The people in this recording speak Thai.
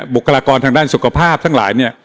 บุคลากรทางด้านสุขภาพทั้งหลายเนี่ย